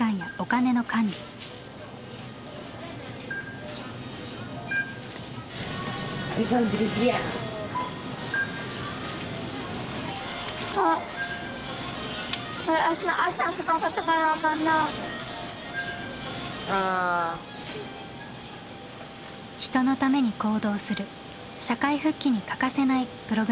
人のために行動する社会復帰に欠かせないプログラムです。